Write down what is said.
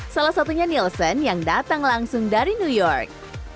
salah satunya nielsen yang datang langsung dari new york